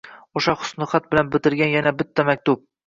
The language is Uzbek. O`sha husnixat bilan bitilgan yana bitta maktub